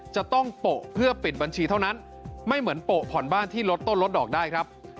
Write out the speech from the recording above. จะต้องโปะเพื่อปิดบัญชีเท่านั้นไม่เหมือนโปะผ่อนบ้านที่ลดต้นลดดอกได้ครับ